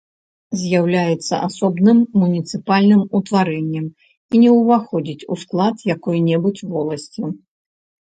З'яўляецца асобным муніцыпальным утварэннем і не ўваходзіць у склад якой-небудзь воласці.